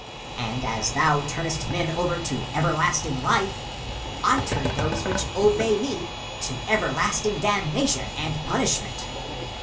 And as thou turnest men over to everlasting life, I turn those which obey me to ever lasting damnation and punishment.